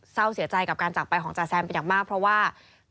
เศร้าเสียใจกับการจากไปของจาแซมเป็นอย่างมากเพราะว่า